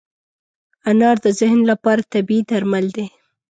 انار د ذهن لپاره طبیعي درمل دی.